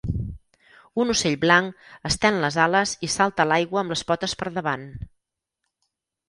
Un ocell blanc estén les ales i salta a l'aigua amb les potes per davant.